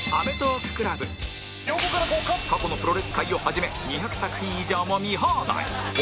過去のプロレス回をはじめ２００作品以上も見放題